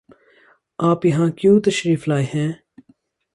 آپ یہاں کیوں تشریف لائے ہیں؟